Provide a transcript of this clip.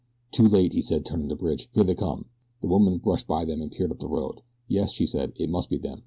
"Too late," he said, turning to Bridge. "Here they come!" The woman brushed by them and peered up the road. "Yes," she said, "it must be them.